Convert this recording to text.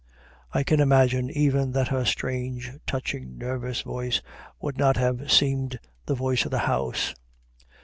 I can imagine even that her strange, touching, nervous voice would not have seemed the voice of the house.